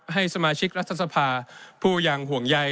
ให้สมาชิกรัฐศภาพูดอย่างห่วงใย